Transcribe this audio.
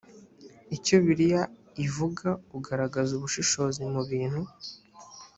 icyo bibiliya ivuga ugaragaza ubushishozi mu bintu